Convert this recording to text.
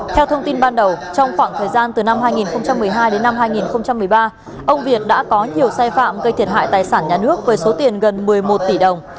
theo thông tin ban đầu trong khoảng thời gian từ năm hai nghìn một mươi hai đến năm hai nghìn một mươi ba ông việt đã có nhiều sai phạm gây thiệt hại tài sản nhà nước với số tiền gần một mươi một tỷ đồng